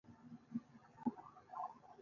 آیا ملا صاحب د کلي روحاني مشر نه وي؟